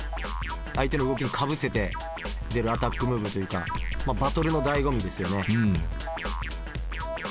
相手の動きにかぶせて出るアタックムーブというかバトルのだいご味ですよね。